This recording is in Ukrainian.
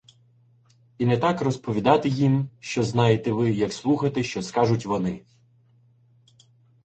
І не так розповідати їм, що знаєте ви, як слухати, що скажуть вони